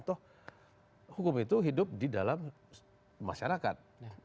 toh hukum itu hidup di dalam masyarakat